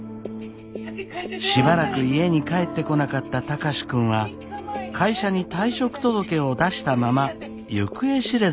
しばらく家に帰ってこなかった貴司君は会社に退職届を出したまま行方知れずになっていたのです。